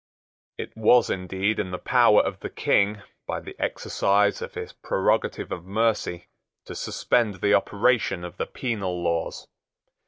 It was indeed in the power of the King, by the exercise of his prerogative of mercy, to suspend the operation of the penal laws.